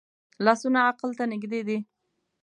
لاسونه عقل ته نږدې دي